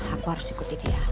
aku harus ikuti dia